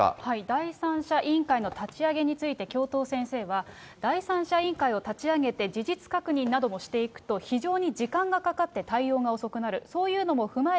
第三者委員会の立ち上げについて教頭先生は、第三者委員会を立ち上げて事実確認などもしていくと、非常に時間がかかって、対応が遅くなる。